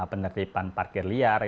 penertipan parkir liar